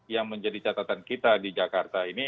yang menjadi catatan kita di jakarta ini